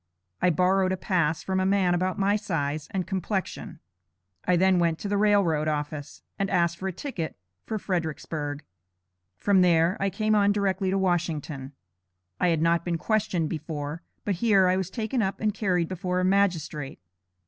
I borrowed a pass from a man about my size and complexion. I then went to the rail road office, and asked for a ticket for Fredericksburg. From there I came on directly to Washington. I had not been questioned before; but here, I was taken up and carried before a magistrate.